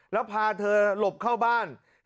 แล้วพาเธอหลบเข้าบ้าน